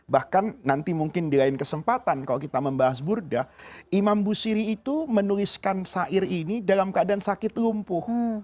bahkan nanti mungkin di lain kesempatan kalau kita membahas burdah imam busiri itu menuliskan sair ini dalam keadaan sakit lumpuh